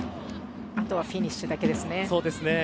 あとはフィニッシュだけですね。